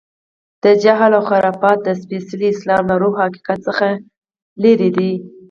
دا جهل و خرافات د سپېڅلي اسلام له روح و حقیقت څخه لرې دي.